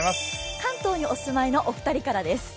関東にお住まいのお二人からです。